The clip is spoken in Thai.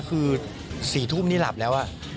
คือ๔ทุ่มนี่หลับแล้ว